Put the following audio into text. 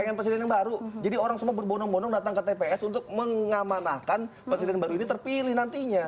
pengen presiden yang baru jadi orang semua berbonong bonong datang ke tps untuk mengamanahkan presiden baru ini terpilih nantinya